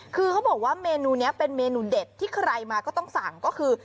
คือเขาบอกว่าเมนูนี้เป็นเมนูเด็ดที่ใครมาก็ต้องสั่งก็คือ